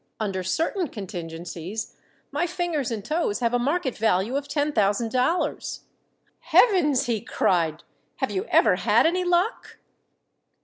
Under certain contingencies my fingers and toes have a market value of ten thousand dollars." "Heavens!" he cried. "_Have you ever had any luck?